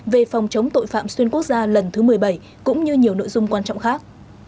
về phòng chống tội phạm xuyên quốc gia lần thứ một mươi bảy cũng như nhiều nội dung quan trọng khác